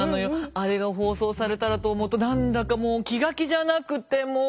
あれが放送されたらと思うと何だかもう気が気じゃなくてもう！